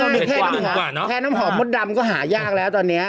เอาง่ายแทบนึงค่ะแทนน้ำหอมมดดำก็หายากแล้วตอนนี้